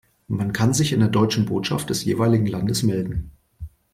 Man kann sich in der deutschen Botschaft des jeweiligen Landes melden.